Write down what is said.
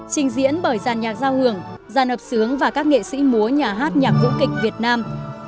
trình diễn bởi giàn nhạc giao hưởng giàn ập sướng và các nghệ sĩ múa nhà hát nhạc vũ kịch việt nam